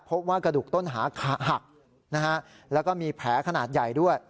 พบว่ากระดูกต้นขาหักนะฮะแล้วก็มีแผลขนาดใหญ่ด้วย